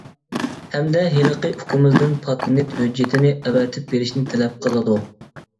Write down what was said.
ھەمدە ھېلىقى ئۇكىمىزدىن پاتېنت ھۆججىتىنى ئەۋەتىپ بېرىشنى تەلەپ قىلىدۇ.